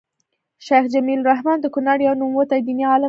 شيخ جميل الرحمن د کونړ يو نوموتی ديني عالم وو